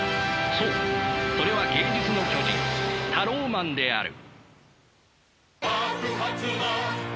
そうそれは芸術の巨人タローマンである。